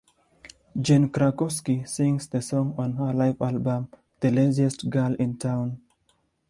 Jane Krakowski sings the song on her live album "The Laziest Gal in Town".